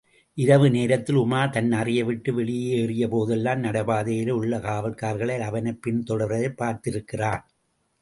இரவு நேரத்திலே, உமார் தன் அறையைவிட்டு வெளியேறிய போதெல்லாம், நடைபாதையிலே உள்ள காவல்காரர்கள் அவனைப் பின்தொடர்வதைப் பார்த்திருக்கிறான்.